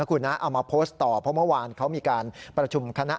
เพราะเมื่อวานเขามีการประชุมคณะ